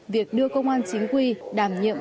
việc đưa công an chính quy đảm nhiệm